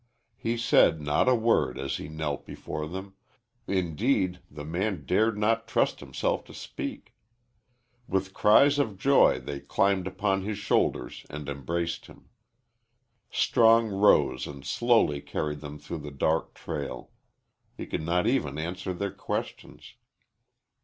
He said not a word as he knelt before them indeed, the man dared not trust himself to speak. With cries of joy they climbed upon his shoulders and embraced him. Strong rose and slowly carried them through the dark trail. He could not even answer their questions.